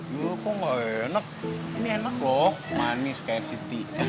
ya kok gak enak ini enak lho manis kayak siti